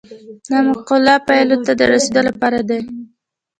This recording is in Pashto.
دا معقولو پایلو ته د رسیدو لپاره دی.